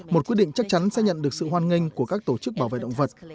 một quyết định chắc chắn sẽ nhận được sự hoan nghênh của các tổ chức bảo vệ động vật